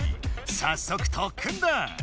さっそく特訓だ！